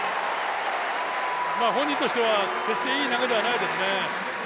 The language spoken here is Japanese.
本人としては決していい投げではないですね。